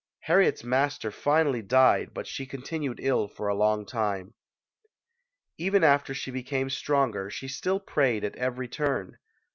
Harriet's master finally died but she continued ill for a long time. Even after she became stronger she still prayed at every turn.